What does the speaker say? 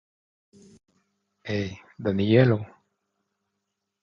He, Danielo!